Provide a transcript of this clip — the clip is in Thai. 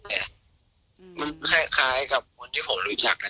แต่มันคล้ายกับคนที่ผมรู้จัก